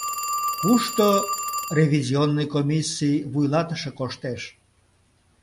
Кушто ревизионный комиссий вуйлатыше коштеш?